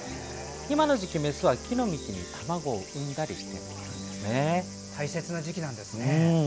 今の時期、メスは木の幹に卵を産んだりしているんですね。